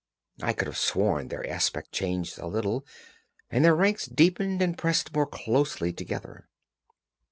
I could have sworn their aspect changed a little, and their ranks deepened and pressed more closely together.